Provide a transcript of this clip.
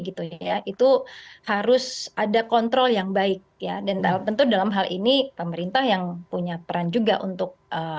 gitu ya itu harus ada kontrol yang baik ya dan tentu dalam hal ini pemerintah yang punya peran juga untuk